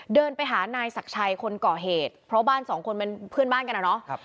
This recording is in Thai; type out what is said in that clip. เดินไปหานายศักดิ์ชัยคนก่อเหตุเพราะบ้านสองคนเป็นเพื่อนบ้านกันอะเนาะ